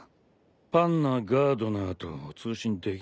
パンナガードナーと通信できないんだ。